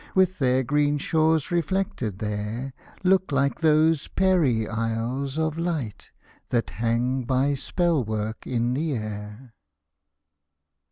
With their green shores reflected there, Look like those Peri isles of light. That hang by spell work in the air.